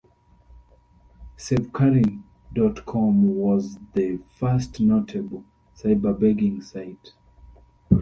SaveKaryn dot com was the first notable cyberbegging site.